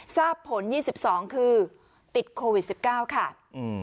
ทราบผล๒๒คือติดโควิด๑๙ค่ะ